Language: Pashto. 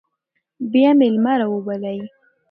بیا میلمه راوبلئ.